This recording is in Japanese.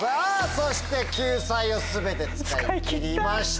そして救済を全て使い切りました。